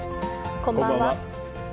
こんばんは。